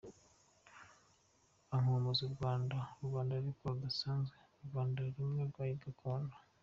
Ankumbuza u Rwanda, u Rwanda ariko rudasanzwe, u Rwanda rumwe rwa Gakondo.